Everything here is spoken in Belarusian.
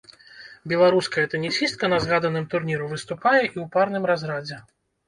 Беларуская тэнісістка на згаданым турніры выступае і ў парным разрадзе.